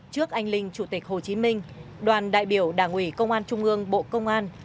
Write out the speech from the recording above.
trước anh linh chủ tịch hồ chí minh đoàn đại biểu đảng ủy công an trung ương bộ công an